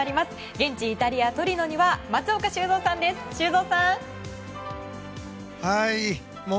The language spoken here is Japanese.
現地イタリア・トリノには松岡修造さんです。萌々